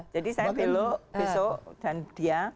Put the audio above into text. jadi saya belok besok dan dia